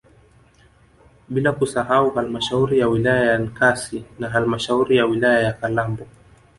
bila kusahau halmashauri ya wilaya ya Nkasi na halmashauri ya wilaya ya Kalambo